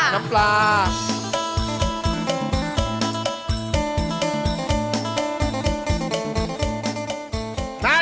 น้ำปลา